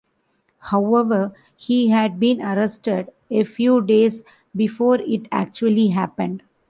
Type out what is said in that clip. However, he had been arrested a few days before it actually happened.